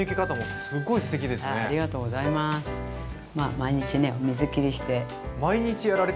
毎日ね水切りして。